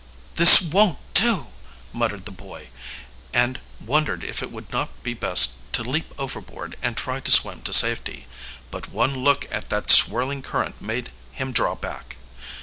"This won't do!" muttered the boy, and wondered if it would not be best to leap overboard and try to swim to safety. But one look at that swirling current made him draw back.